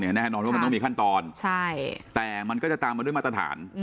แน่นอนว่ามันต้องมีขั้นตอนแต่มันก็จะตามมาด้วยมาตรฐาน